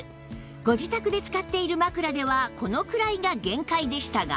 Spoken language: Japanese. ご自宅で使っている枕ではこのくらいが限界でしたが